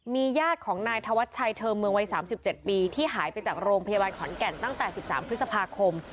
มีญาติของนายธวัชชัยเทอมเมืองวัย๓๗ปีที่หายไปจากโรงพยาบาลขอนแก่นตั้งแต่๑๓พฤษภาคม